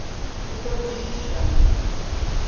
Тыдэ ущыща?